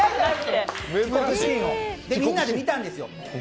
みんなで見たんですよ。